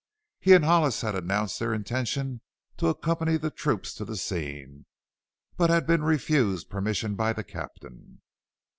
He and Hollis had announced their intention to accompany the troop to the scene, but had been refused permission by the captain.